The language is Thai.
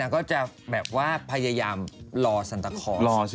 ก็จะแบบว่าพยายามรอสันตะคอร์ด